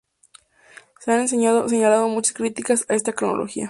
Se han señalado muchas críticas a esta cronología.